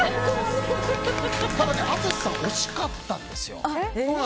ただ淳さん、惜しかったんですよ。